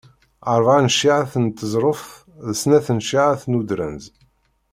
Rebεa n cciεat n teẓruft d Snat n cciεat n udrenz.